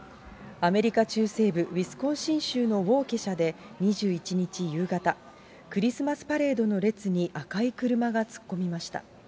アメリカ中西部ウィスコンシン州のウォーケシャで２１日夕方、クリスマスパレードの列に赤い車が突っ込みました。